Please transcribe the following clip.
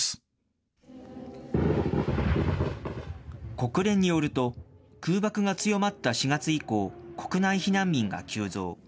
国連によると、空爆が強まった４月以降、国内避難民が急増。